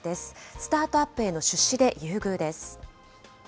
スタートアップへの出資で優遇です。